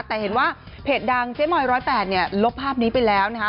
แต่เห็นว่าเพจดังเจ๊มอย๑๐๘เนี่ยลบภาพนี้ไปแล้วนะคะ